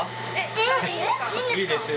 えっいいんですか？